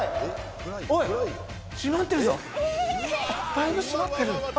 だいぶ閉まってる。